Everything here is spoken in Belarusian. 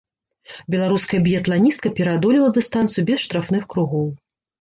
Беларуская біятланістка пераадолела дыстанцыю без штрафных кругоў.